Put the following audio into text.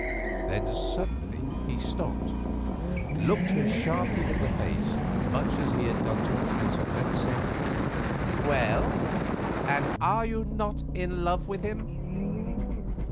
Then suddenly he stopped, looked her sharply in the face, much as he had done to Eliza, and said, "Well, and are you not in love with him?"